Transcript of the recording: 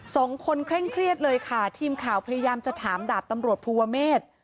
เคร่งเครียดเลยค่ะทีมข่าวพยายามจะถามดาบตำรวจภูวะเมษ